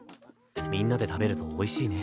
みんなで食べるとおいしいね。